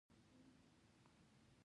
څلورم د لګښتونو کمول او کنټرولول دي.